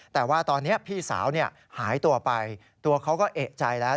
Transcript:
แต่ว่าตอนนี้พี่สาวหายตัวไปตัวเขาก็เอกใจแล้ว